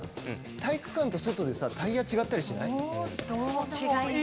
体育館と外でタイヤ違ったりしない？